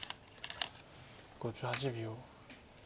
５８秒。